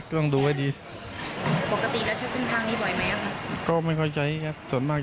และอยากให้หน่วยงานที่เกี่ยวข้องสร้างที่การทางรถไฟ